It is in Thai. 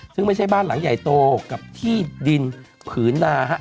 ซึ่งไม่ใช่บ้านหลังใหญ่โตกับที่ดินผืนนาฮะ